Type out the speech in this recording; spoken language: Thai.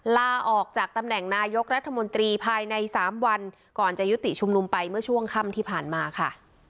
ลาออกจากตำแหน่งนายกรัฐมนตรีภายใน๓วันก่อนจะยุติชุมนุมไปเมื่อช่วงค่ำที่ผ่านมาค่ะ